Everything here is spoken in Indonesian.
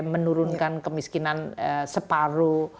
menurunkan kemiskinan separuh